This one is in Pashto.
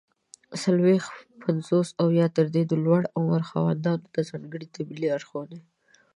څلوېښت، پنځوس او یا تر دې د لوړ عمر خاوندانو ته ځانګړي طبي لارښووني!